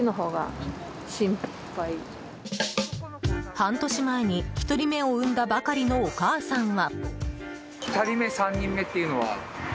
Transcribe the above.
半年前に１人目を産んだばかりのお母さんは。